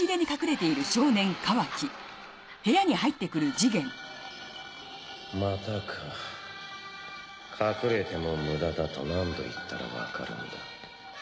ジゲン：またか。隠れてもムダだと何度言ったらわかるんだ？